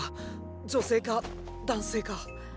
女性か男性か。